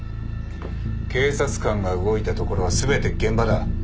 警察官が動いたところは全て現場だ。